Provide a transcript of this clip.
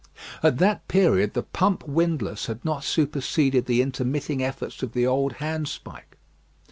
At that period the pump windlass had not superseded the intermitting efforts of the old handspike.